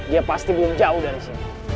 dia pasti belum jauh dari sini